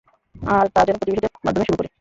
আর তা যেন প্রতিবেশীদের মাধ্যমে শুরু করি।